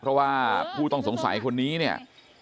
เพราะว่าผู้ต้องสงสัยคนนี้เนี่ย